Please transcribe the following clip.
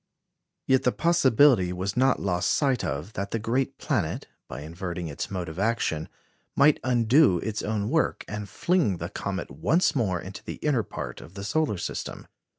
Yet the possibility was not lost sight of that the great planet, by inverting its mode of action, might undo its own work, and fling the comet once more into the inner part of the solar system.